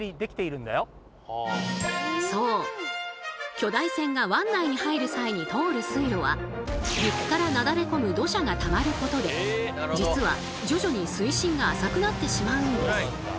巨大船が湾内に入る際に通る水路は陸からなだれ込む土砂がたまることで実は徐々に水深が浅くなってしまうんです。